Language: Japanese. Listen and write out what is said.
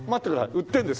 売ってるんです。